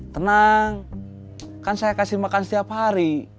tenang kan saya kasih makan setiap hari